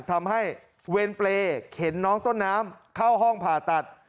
ทำให้เวรเปรย์เข็นน้องต้นน้ำเข้าห้องผ่าตัด